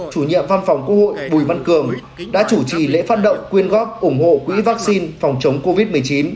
chủ nhiệm văn phòng quốc hội bùi văn cường đã chủ trì lễ phát động quyên góp ủng hộ quỹ vaccine phòng chống covid một mươi chín